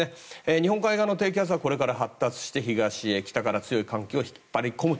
日本海側の低気圧はこれから発達して、東へ北から強い寒気を引っ張り込みます。